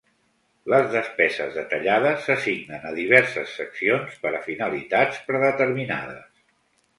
Les despeses detallades s'assignen a diverses seccions per a finalitats predeterminades.